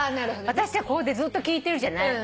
私はここでずっと聞いてるじゃない。